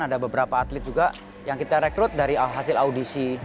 ada beberapa atlet juga yang kita rekrut dari hasil audisi